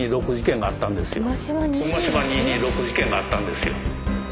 馬島２・２６事件があったんですよ。